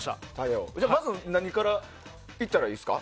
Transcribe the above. まず何からいったらいいですか？